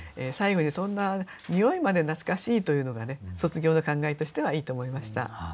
最後にそんな匂いまで懐かしいというのがね卒業の感慨としてはいいと思いました。